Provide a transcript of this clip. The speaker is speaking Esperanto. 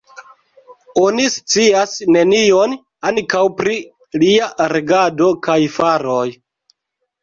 Oni scias nenion ankaŭ pri lia regado kaj faroj.